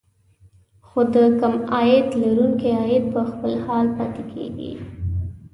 خو د کم عاید لرونکو عوايد په خپل حال پاتې دي